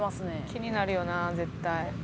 「気になるよな絶対」